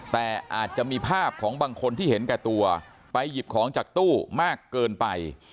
แต่อาจจะมีภาพของบางคนที่เห็นแก่ตัวไปหยิบของจากตู้มากเกินไป